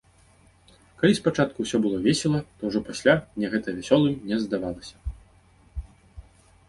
Калі спачатку усё было весела, то ўжо пасля мне гэта вясёлым не здавалася.